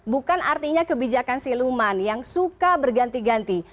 bukan artinya kebijakan siluman yang suka berganti ganti